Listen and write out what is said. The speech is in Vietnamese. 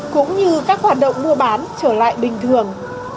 cũng như các hoạt động mua bán trở lại bình thường